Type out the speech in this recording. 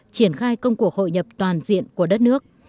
triển khai công cuộc hội nhập toàn diện của đất nước